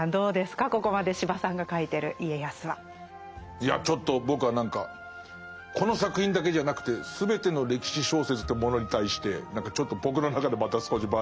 いやちょっと僕は何かこの作品だけじゃなくて全ての歴史小説というものに対してちょっと僕の中でまた少しバージョンアップしてるかも。